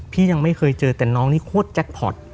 ยังไม่เคยเจอแต่น้องนี่โคตรแจ็คพอร์ต